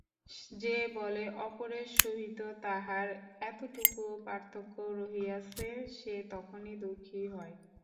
যে বলে অপরের সহিত তাহার এতটুকু পার্থক্য রহিয়াছে, সে তখনই দুঃখী হয়।